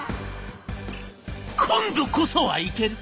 今度こそはいける！